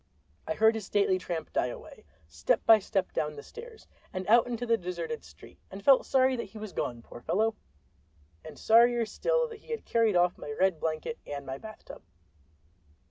I heard his stately tramp die away, step by step down the stairs and out into the deserted street, and felt sorry that he was gone, poor fellow—and sorrier still that he had carried off my red blanket and my bath tub.